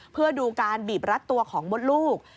เพื่อดูการบีบรัดตัวของมดลูก